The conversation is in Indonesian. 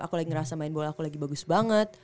aku lagi ngerasa main bola aku lagi bagus banget